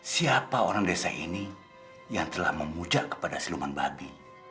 siapa orang desa ini yang telah memuja kepada seluman babi